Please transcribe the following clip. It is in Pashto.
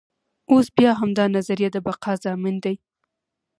اوس بیا همدا نظریه د بقا ضامن دی.